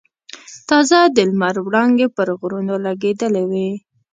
تازه د لمر وړانګې پر غرونو لګېدلې وې.